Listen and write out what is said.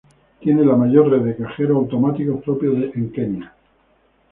Tiene la mayor red de cajeros automáticos propios en Kenia.